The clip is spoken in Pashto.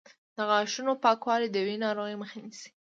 د غاښونو پاکوالی د وینې ناروغیو مخه نیسي.